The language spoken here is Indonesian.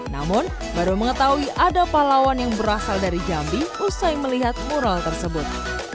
namun baru mengetahui ada pahlawan yang berasal dari jambi usai melihat mural tersebut